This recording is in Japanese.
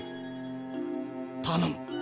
頼む